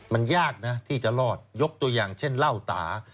มันยากนะที่จะรอดยกตัวอย่างเช่นเหล้าตา